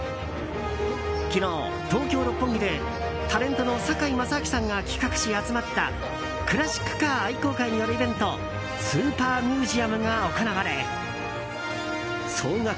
昨日、東京・六本木でタレントの堺正章さんが企画し集まったクラシックカー愛好家によるイベントＳＵＰＥＲＭＵＳＥＵＭが行われ総額